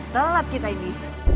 delat kita ini